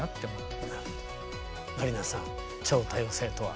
麻里奈さん超多様性とは？